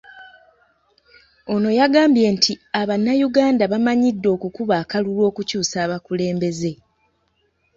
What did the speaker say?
Ono yagambye nti Abanayuganda bamanyidde okukuba akalulu okukyusa abakulembeze.